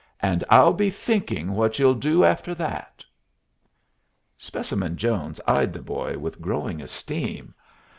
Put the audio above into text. And I'll be thinking what you'll do after that." Specimen Jones eyed the boy with growing esteem.